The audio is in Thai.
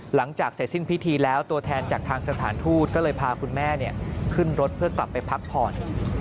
หลังจากเสร็จสิ้นพิธีแล้วตัวแทนจากทางสถานทูตก็เลยพาคุณแม่ขึ้นรถเพื่อกลับไปพักผ่อน